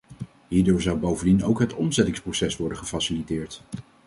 Hierdoor zou bovendien ook het omzettingsproces worden gefaciliteerd.